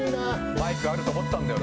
マイクあると思ったんだよな。